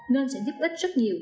nên sẽ giúp ích rất nhiều